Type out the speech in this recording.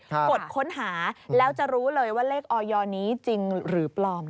กดค้นหาแล้วจะรู้เลยว่าเลขออยนี้จริงหรือปลอม